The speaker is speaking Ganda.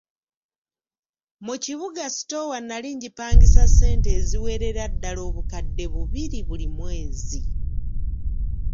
Mu kibuga sitoowa nnali ngipangisa ssente eziwerera ddala obukadde bubiri buli mwezi.